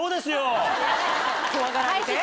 怖がられて？